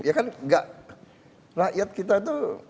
ya kan rakyat kita itu